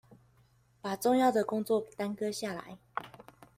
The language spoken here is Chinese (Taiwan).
把重要的工作耽擱下來